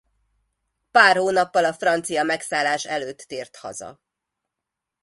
Pár hónappal a francia megszállás előtt tért haza.